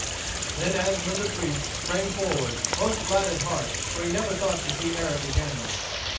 Then Asmund the Priest sprang forward, most glad at heart, for he never thought to see Eric again.